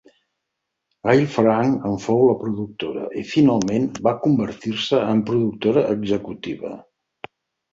Gail Frank en fou la productora i finalment va convertir-se en productora executiva.